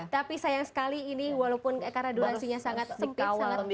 tapi sayang sekali ini walaupun ekor adulansinya sangat sempit sangat tipis